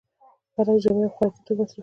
برعکس جامې او خوراکي توکي مصرفوي